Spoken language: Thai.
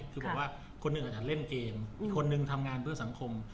คือบอกว่าคนหนึ่งอาจจะเล่นเกมอีกคนนึงทำงานเพื่อสังคม